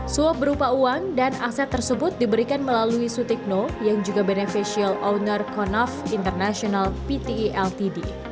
suap berupa uang dan aset tersebut diberikan melalui sutikno yang juga beneficial owner konaf international pteltd